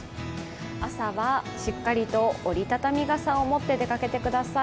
朝はしっかりと折り畳み傘を持って出かけてください。